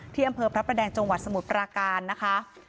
อำเภอพระประแดงจังหวัดสมุทรปราการนะคะ